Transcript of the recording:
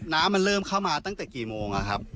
น้ำมันเริ่มเข้ามาตั้งแต่กี่โมงครับ